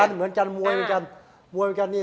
เหมือนกันมวยไปกันนี่